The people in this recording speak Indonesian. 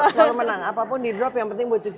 kalau menang apapun di drop yang penting buat cucu